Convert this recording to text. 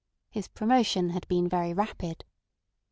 His promotion had been very rapid.